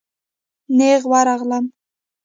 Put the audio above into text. نېغ ورغلم.